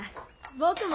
僕も。